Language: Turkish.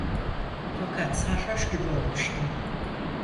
Fakat sarhoş gibi olmuştum.